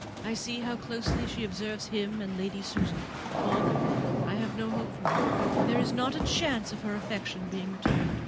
I see how closely she observes him and Lady Susan, poor girl! I have now no hope for her. There is not a chance of her affection being returned.